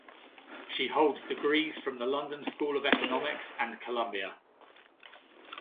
She holds degrees from the London School of Economics and Columbia.